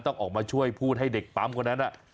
ต้องออกมาช่วยพูดให้เด็กปั๊มคนนั้น